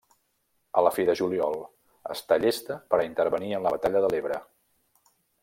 A la fi de juliol està llesta per a intervenir en la batalla de l'Ebre.